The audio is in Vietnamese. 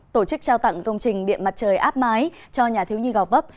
tổ chức trao tặng công trình điện mặt trời áp mái cho nhà thiếu nhi gò vấp